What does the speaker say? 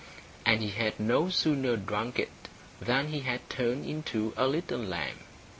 And he had no sooner drunk it than he had turned into a little lamb...